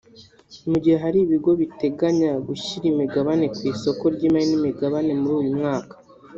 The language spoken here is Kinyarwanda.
Mu gihe hari ibigo biteganya gushyira imigabane ku isoko ry’imari n’imigabane muri uyu mwaka